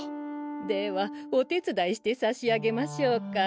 ではお手伝いしてさしあげましょうか？